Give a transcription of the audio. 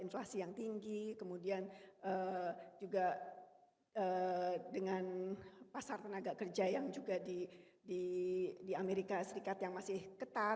inflasi yang tinggi kemudian juga dengan pasar tenaga kerja yang juga di amerika serikat yang masih ketat